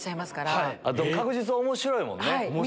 あと確実面白いもんね。